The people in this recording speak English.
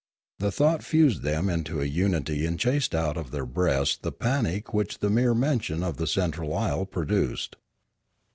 The thought fused them into a unity and chased out of their breasts the panic which the mere mention of the central isle produced.